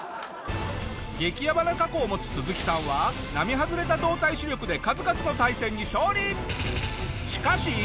激やばな過去を持つスズキさんは並外れた動体視力で数々の対戦に勝利！